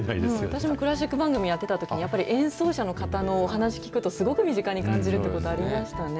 私もクラシック番組やってたとき、やっぱり、演奏者の方のお話聞くと、すごく身近に感じることがありましたね。